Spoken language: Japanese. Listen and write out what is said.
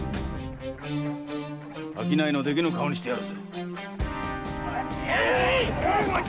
商いのできぬ顔にしてやるぜ。